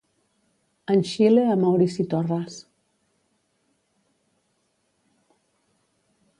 En Xile a Maurici Torres.